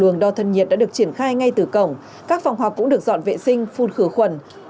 nhiệt đã được triển khai ngay từ cổng các phòng họp cũng được dọn vệ sinh phun khử khuẩn